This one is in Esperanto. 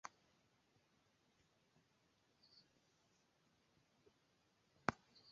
Diference de sia patro, li estis pli religie liberala.